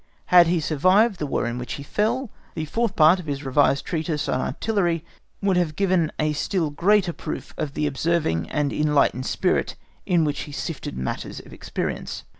Had he survived the War in which he fell,(*) the fourth part of his revised treatise on artillery would have given a still greater proof of the observing and enlightened spirit in which he sifted matters of experience.